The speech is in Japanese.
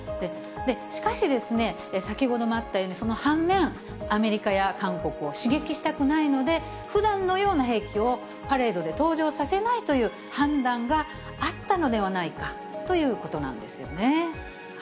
しかし、先ほどもあったように、その半面、アメリカや韓国を刺激したくないので、ふだんのような兵器をパレードで登場させないという判断があったのではないかということなんですよね。